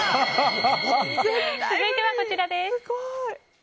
続いてはこちらです。